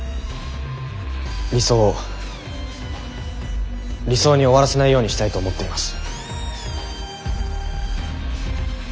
理想を理想に終わらせないようにしたいと思っています。